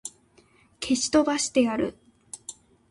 消し飛ばしてやる!